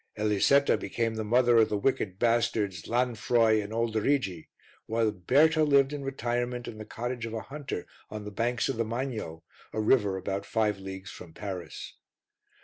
Elisetta became the mother of the wicked bastards Lanfroi and Olderigi, while Berta lived in retirement in the cottage of a hunter on the banks of the Magno, a river about five leagues from Paris.